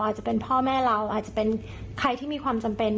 อาจจะเป็นพ่อแม่เราอาจจะเป็นใครที่มีความจำเป็น